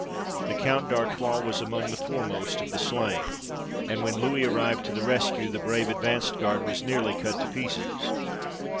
The Count d'Artois was among the foremost of the slain; and when Louis arrived to the rescue, the brave advanced guard was nearly cut to pieces.